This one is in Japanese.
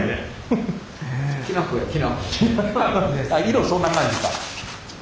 色そんな感じか。